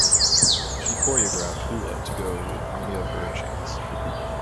She choreographed hula to go with many of her chants.